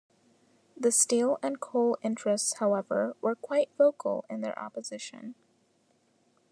The steel and coal interests, however, were quite vocal in their opposition.